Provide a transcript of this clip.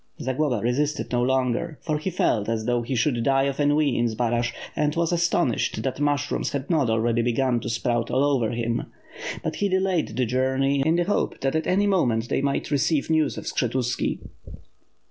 '^ Zagloba resisted no longer, for he felt as though he should die of ennui in Zbaraj, and was astonished that mushrooms had not already began to sprout all over him. But he de layed the journey in the hope that at any moment they might receive news of Skshetuski.